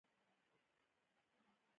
ښوونځي د باور خپرولو مرکزونه دي.